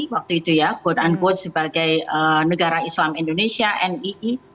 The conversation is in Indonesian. waktu itu ya quote unquote sebagai negara islam indonesia nii